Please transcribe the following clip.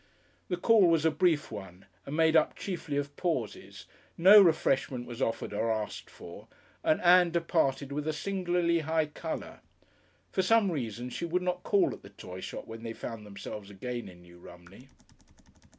The call was a brief one and made up chiefly of pauses, no refreshment was offered or asked for, and Ann departed with a singularly high colour. For some reason she would not call at the toy shop when they found themselves again in New Romney.